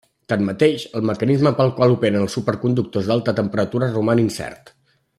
Tanmateix, el mecanisme pel qual operen els superconductors d'alta temperatura roman incert.